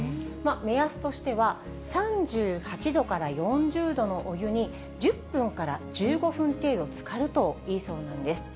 目安としては、３８度から４０度のお湯に１０分から１５分程度つかるといいそうなんです。